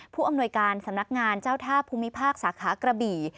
ผู้อำนวยการสำนักงานเจ้าท่าภูมิภาคสาขากระบี่